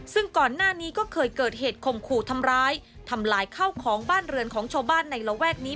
ซึ่งก่อนหน้านี้ก็เคยเกิดเหตุคมขู่ทำร้ายทำลายข้าวของบ้านเรือนของชาวบ้านในระแวกนี้